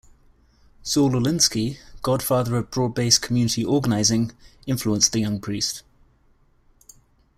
Saul Alinsky, godfather of broad-based community organizing, influenced the young priest.